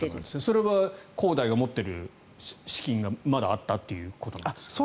それは恒大が持っている資金がまだあったということなんですか？